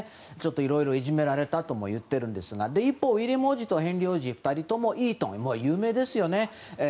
いろいろいじめられたとも言っているんですが一方、ウィリアム王子とヘンリー王子はイートン、有名ですよね。